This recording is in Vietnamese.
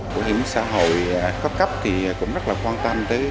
bộ hiểm xã hội cấp cấp cũng rất quan tâm